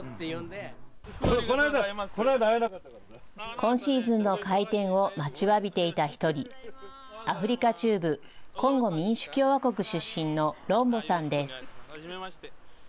今シーズンの開店を待ちわびていた１人、アフリカ中部、コンゴ民主共和国出身のロンボさんです。